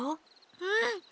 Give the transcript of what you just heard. うん！